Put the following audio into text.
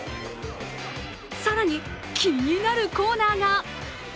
更に、気になるコーナーが。